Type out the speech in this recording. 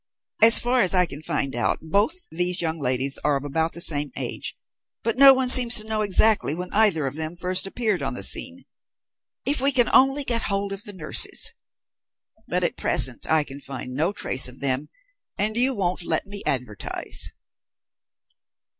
As far as I can find out, both these young ladies are of about the same age, but no one seems to know exactly when either of them first appeared on the scene. If we can only get hold of the nurses! But at present I can find no trace of them, and you won't let me advertise."